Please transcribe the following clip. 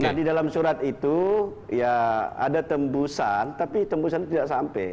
nah di dalam surat itu ya ada tembusan tapi tembusan itu tidak sampai